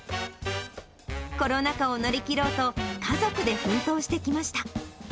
コロナ禍を乗り切ろうと、家族で奮闘してきました。